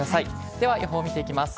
では予報、見ていきます。